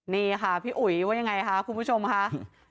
นี่ค่ะพี่อุ๋ยว่ายังไงคะคุณผู้ชมค่ะ